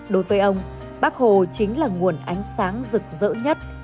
đối với ông bác hồ chính là nguồn ánh sáng rực rỡ nhất